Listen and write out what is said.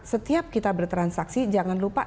setiap kita bertransaksi jangan lupa